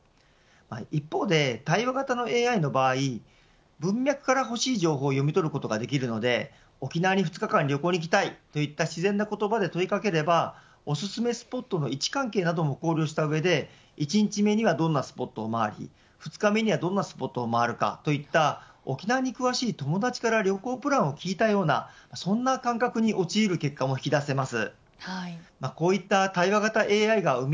一方で対話型のＡＩの場合文脈から欲しい情報を読み取ることができるので沖縄に２日間旅行に行きたいといった不自然な言葉で問いかければおすすめスポットの位置関係なども考慮した上で１日目にはどんなスポットを回り２日目にはどんなスポットもあるといった沖縄に詳しい友達から旅行プランを聞いたようなそんな感覚に陥る結果も引き出せます。